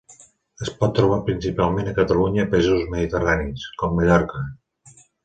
Es pot trobar principalment a Catalunya i països mediterranis, com Mallorca.